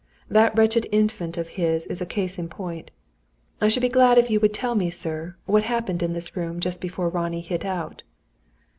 That wretched Infant of his is a case in point. I should be glad if you would tell me, sir, what happened in this room just before Ronnie hit out."